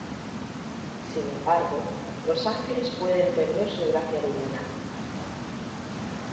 Sin embargo, los ángeles pueden perder su gracia divina.